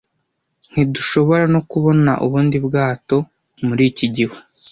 Ntidushoborano kubona ubundi bwato muri iki gihu.